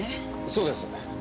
そうです。